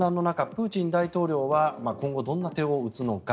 プーチン大統領は今後、どんな手を打つのか。